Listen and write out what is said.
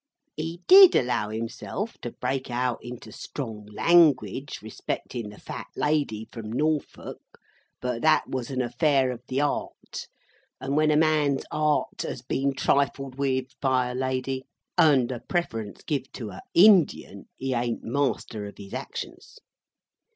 He did allow himself to break out into strong language respectin the Fat Lady from Norfolk; but that was an affair of the 'art; and when a man's 'art has been trifled with by a lady, and the preference giv to a Indian, he ain't master of his actions.